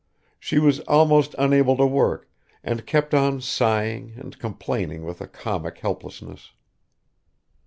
She was almost unable to work and kept on sighing and complaining with a comic helplessness.